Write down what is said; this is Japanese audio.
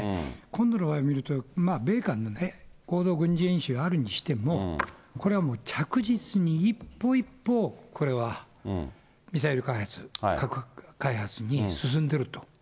今度のは見ると、米韓でね、合同軍事演習あるにしても、これはもう着実に一歩一歩、これはミサイル開発、核開発に進んでると。